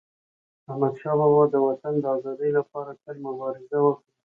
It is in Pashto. احمدشاه بابا د وطن د ازادی لپاره تل مبارزه وکړه.